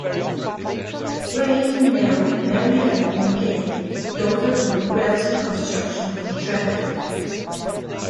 Wynne married Mary Ellen McCabe, daughter of a wealthy construction contractor.